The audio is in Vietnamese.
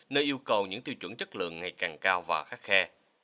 nơi yêu cầu những tiêu chuẩn chất lượng ngày càng cao và khắc khe